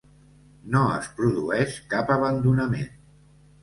No es produeix cap abandonament.